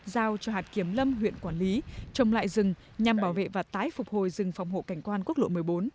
giao cho hạt kiểm lâm huyện quản lý trồng lại rừng nhằm bảo vệ và tái phục hồi rừng phòng hộ cảnh quan quốc lộ một mươi bốn